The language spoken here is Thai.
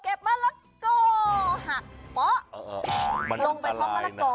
เก็บมะละก่อหักปะ